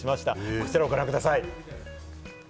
こちらをご覧ください。